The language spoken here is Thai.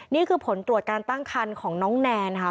นี่คือผลตรวจการตั้งคันของน้องแนนค่ะ